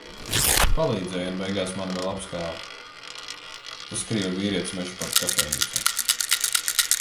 Palīdzēja un beigās mani vēl apskāva. Tas krievu vīrietis Mežaparka kafejnīcā.